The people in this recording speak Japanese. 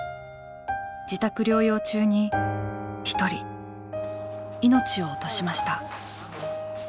自宅療養中に一人命を落としました。